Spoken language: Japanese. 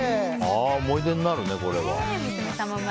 思い出になるね、これは。